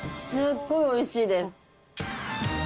すっごいおいしいです。